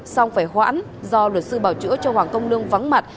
xong phải hoãn do luật sư bảo chữa cho hoàng công lương vắng mặt